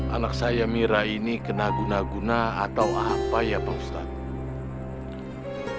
anak saya mira ini kena guna guna atau apa ya pak ustadz